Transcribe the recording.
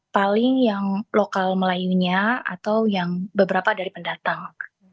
paling yang lokal melayunya atau yang beberapa dari pendatang